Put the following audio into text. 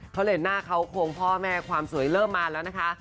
เขาเลยหน้าเขาโครงพ่อแม่ความสวยเริ่มมาแล้วนะคะ